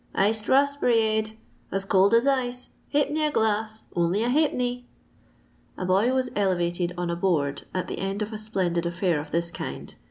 Iced raspberriade, as cold as ice, ha'penny a glass, only a ha'penny !" A boy was elevated on a board at the end of a splendid affair of this kind.